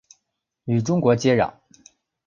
与中国接壤。